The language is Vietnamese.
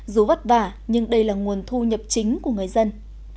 dù vất vả nhưng đây là nguồn thu nhập chính của người dân